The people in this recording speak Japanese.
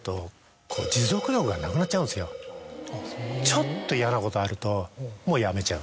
ちょっと嫌なことあるともう辞めちゃう。